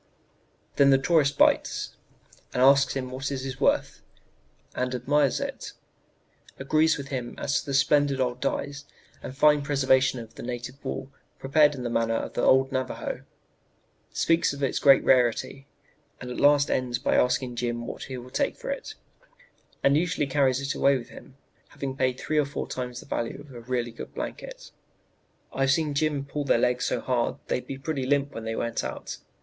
"Then the tourist 'bites,' and asks him what it is worth, and admires it, agrees with him as to the splendid old dyes and fine preservation of the native wool prepared in the manner of the old Navajo, speaks of its great rarity, and at last ends by asking Jim what he will take for it, and usually carries it away with him, having paid three or four times the value of a really good blanket. "I've seen Jim pull their legs so hard they'd pretty near limp when they went out.